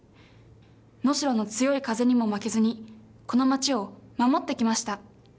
能代の強い風にも負けずにこの町を守ってきました。